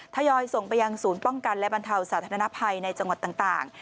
ทยอยส่งไปยังศูนย์ป้องกันและบรรเทาสาธารณภัยในจังหวัดต่าง